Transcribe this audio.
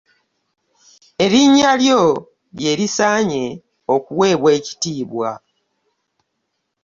Erinnya lyo lye lisaanye okuweebwa ekitiibwa.